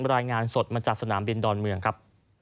รายงานสดมาจากสนามบินดอนเมืองครับ